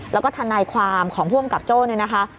แล้วก็ทันายความของผู้กับโจ๊ก